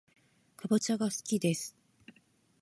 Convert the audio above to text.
かぼちゃがすきです